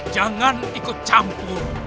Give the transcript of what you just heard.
jangan ikut campur